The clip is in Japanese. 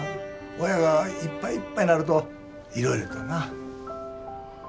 親がいっぱいいっぱいなるといろいろとな。